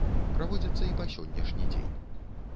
Праводзіцца і па сённяшні дзень.